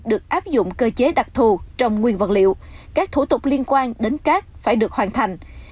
được áp dụng cơ chế đặc thù trong nguyên vật liệu các thủ tục liên quan đến cát phải được hoàn thành